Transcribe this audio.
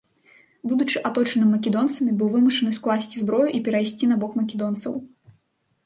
Будучы аточаным македонцамі, быў вымушаны скласці зброю і перайсці на бок македонцаў.